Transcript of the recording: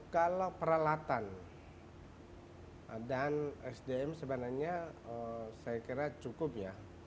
kalau peralatan dan sdm sebenarnya saya kira cukup ya